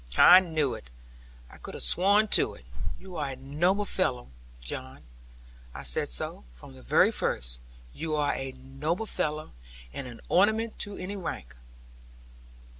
'I knew it. I could have sworn to it. You are a noble fellow, John. I said so, from the very first; you are a noble fellow, and an ornament to any rank.'